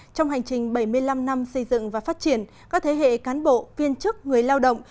trong hành trình bảy mươi năm năm xây dựng và phát triển các thế hệ cán bộ viên chức người lao động